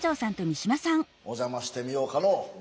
お邪魔してみようかの。